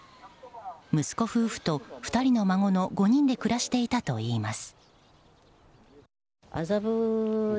息子夫婦と２人の孫の５人で暮らしていたといいます。